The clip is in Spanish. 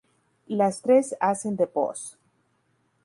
Las tres hacen de voz.